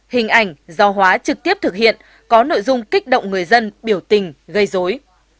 hình ảnh do hóa trực tiếp thực hiện có nội dung kích động người dân biểu tình gây dối